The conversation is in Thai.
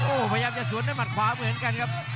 โอ้โหพยายามจะสวนด้วยหมัดขวาเหมือนกันครับ